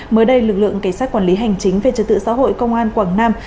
mới đây lực lượng cảnh sát quản lý hành chính về trật tự xã hội công an quảng nam